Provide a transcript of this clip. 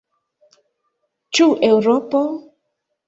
Ĉu Eŭropo?